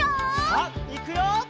さあいくよ！